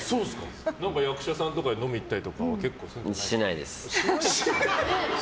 役者さんとかで飲みに行ったりとかしないです。